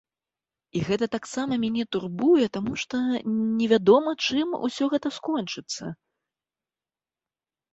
І гэта таксама мяне турбуе, таму што невядома, чым усё гэта скончыцца.